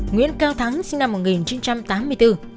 nguyễn cao thắng sinh năm một nghìn chín trăm tám mươi bốn